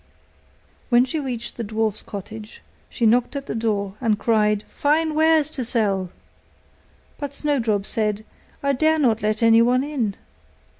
When she reached the dwarfs' cottage, she knocked at the door, and cried, 'Fine wares to sell!' But Snowdrop said, 'I dare not let anyone in.